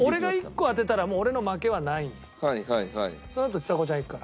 そしたらそのあとちさ子ちゃんいくから。